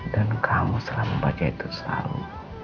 dan kamu selalu baca itu selalu